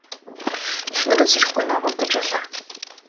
Эхнэр нь сэрэхгүй нам унтаж байлаа.